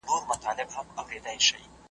ایله پوه سو په خپل عقل غولیدلی .